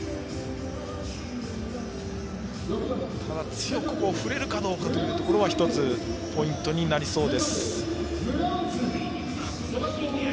ただ強く振れるかどうかというところは、１つポイントになりそうです。